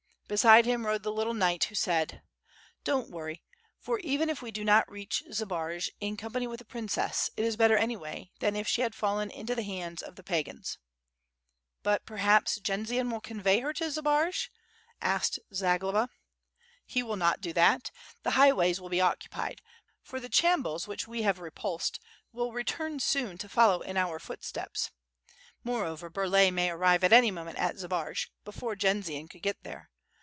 Beside him rode the little knight, who said: "Don't worry; for even if we do not reach Zabaraj in com pany with the princess, it is better anyway, than if she had fallen into the hands of the pagans." "But, perhaps, Jendzian will convey her to Zbaraj ?" asked Zagloba. "He will not do that. The highways will be occupied. For the chambuls which we have repulsed, wil return soon to follow in our footsteps. Moreover, Burlay may arrive at any moment at Zbaraj, before Jendzian could get there.